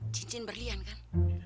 cincin berlian kan